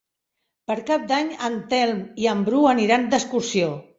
Per Cap d'Any en Telm i en Bru aniran d'excursió.